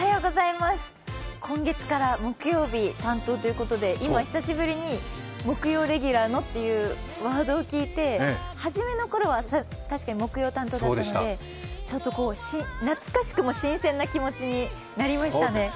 今月から木曜日担当ということで今、久しぶりに木曜レギュラーのってワードを聞いて初めの頃は確かに木曜担当だったのでちょっと懐かしくも新鮮な気持ちになりましたね。